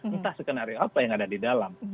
entah skenario apa yang ada di dalam